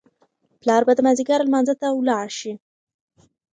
پلار به د مازیګر لمانځه ته ولاړ شي.